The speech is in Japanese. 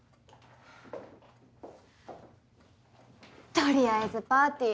取りあえずパーティー